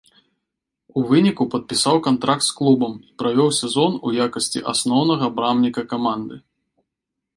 У выніку падпісаў кантракт з клубам і правёў сезон у якасці асноўнага брамніка каманды.